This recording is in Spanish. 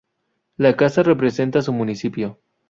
La casa representa a su municipio.